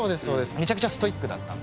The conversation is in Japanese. めちゃくちゃストイックだったんですよ。